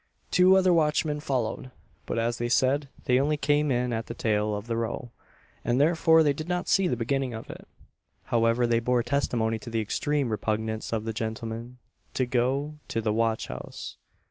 Two other watchmen followed; but, as they said, they only came in at the tail of the row, and therefore they did not see the beginning of it. However, they bore testimony to the extreme repugnance of the gentlemen to go to the watch house.